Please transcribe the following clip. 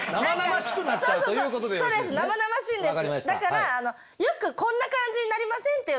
だからよくこんな感じになりません？